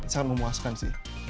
sangat memuaskan sih